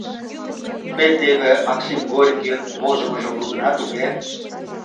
Тый теве Максим Горькийын возымыжым лудынат, уке?